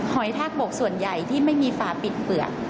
หอยทากบกส่วนใหญ่ที่ไม่มีฝาปิดเปลือก